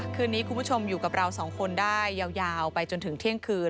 คืนนี้คุณผู้ชมอยู่กับเราสองคนได้ยาวไปจนถึงเที่ยงคืน